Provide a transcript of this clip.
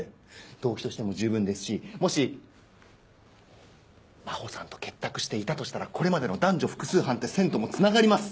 動機としても十分ですしもし真帆さんと結託していたとしたらこれまでの男女複数犯って線ともつながります。